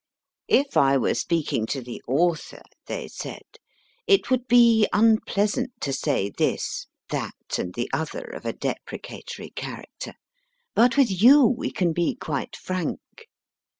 If I were speaking to the author, they said, it would be unpleasant to say this (that, and the other of a deprecatory character), but with you we can be quite frank.